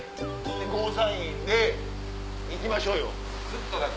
ゴーサインで行きましょうよ。